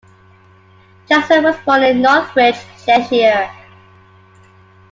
Johnson was born in Northwich, Cheshire.